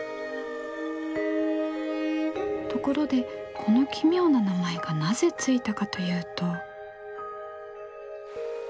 ところでこの奇妙な名前がなぜ付いたかというと。